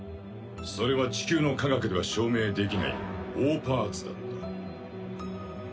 それは地球の科学では証明できないオーパーツだった。